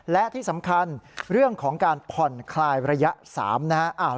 และที่สำคัญเรื่องของการผ่อนคลายระยะ๓นะฮะ